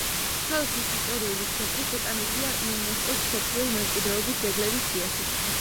ქალაქის ისტორიული ცენტრი შეტანილია იუნესკოს მსოფლიო მემკვიდრეობის ძეგლების სიაში.